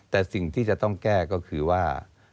แต่สิ่งที่จะต้องแก้ก็คือว่า